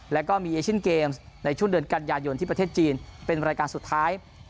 แล้วก็มีเอเชียนเกมส์ในช่วงเดือนกันยายนที่ประเทศจีนเป็นรายการสุดท้าย